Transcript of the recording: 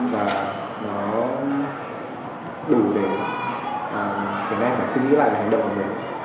và nó đủ để khiến em phải suy nghĩ lại về hành động này